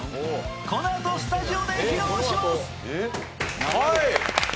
このあとスタジオで披露します。